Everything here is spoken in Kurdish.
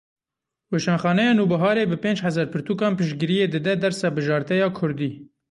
Weşanxaneya Nûbiharê bi pênc hezar pirtûkan piştgiriyê dide dersa bijarte ya kurdî.